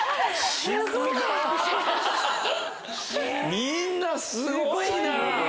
みんなすごいな。